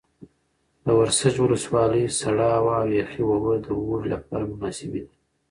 د ورسج ولسوالۍ سړه هوا او یخې اوبه د اوړي لپاره مناسبې دي.